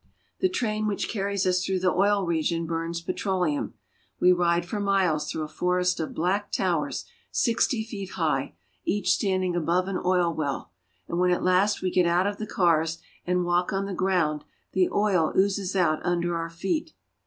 The train which carries us through the oil region burns petroleum. We ride for miles through a forest of black towers sixty feet high, each standing above an oil well ; and when at last we get out of the cars, and walk on the ground, the oil oozes out under our feet.